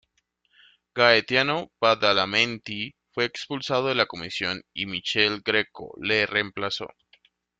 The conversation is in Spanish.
Gaetano Badalamenti fue expulsado de la Comisión y Michele Greco le reemplazó.